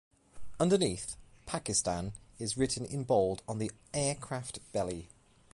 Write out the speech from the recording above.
Underneath, 'Pakistan' is written in bold on the aircraft belly.